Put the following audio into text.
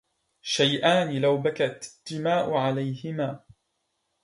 شيئان لو بكت الدماء عليهما